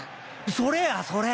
それやそれ！